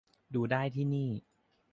ดูได้ที่นี่